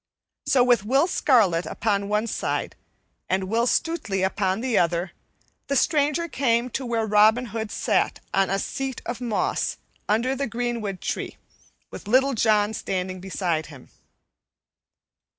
So, with Will Scarlet upon one side and Will Stutely upon the other, the stranger came to where Robin Hood sat on a seat of moss under the greenwood tree, with Little John standing beside him.